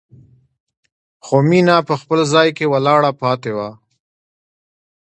خو مينه په خپل ځای کې ولاړه پاتې وه.